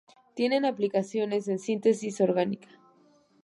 Tienen aplicaciones en síntesis orgánica.